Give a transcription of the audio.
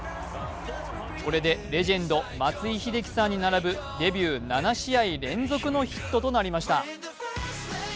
これでレジェンド・松井秀喜さんに並ぶデビュー７試合連続のヒットとなりました。